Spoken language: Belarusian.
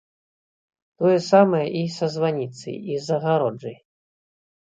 Тое самае і са званіцай, і з агароджай.